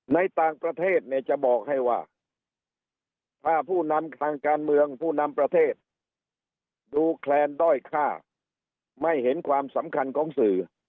ในต่างประเทศเนี่ยจะบอกให้ว่าถ้าผู้นำทางการเมืองผู้นำประเทศดูแคลนด้อยค่าไม่เห็นความสำคัญของสื่อ